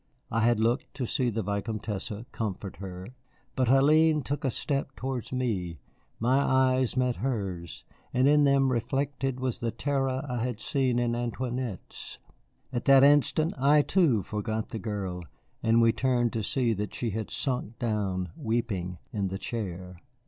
I had looked to see the Vicomtesse comfort her. But Hélène took a step towards me, my eyes met hers, and in them reflected was the terror I had seen in Antoinette's. At that instant I, too, forgot the girl, and we turned to see that she had sunk down, weeping, in the chair.